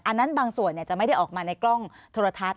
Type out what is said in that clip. อันนั้นบางส่วนจะไม่ได้ออกมาในกล้องโทรทัศน